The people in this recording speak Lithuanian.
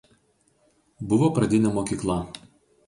Buvo pradinė mokykla.